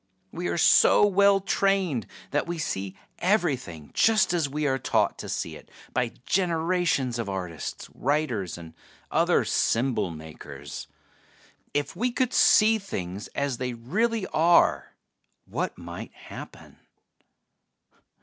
We are so well trained that we see everything just as we are taught to see it by generations of artists, writers, and other symbol makers. If we could see things as they really are, what might happen?"